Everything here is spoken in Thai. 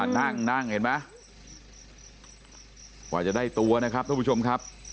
นั่งนั่งเห็นไหมกว่าจะได้ตัวนะครับทุกผู้ชมครับ